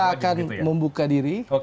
kita akan membuka diri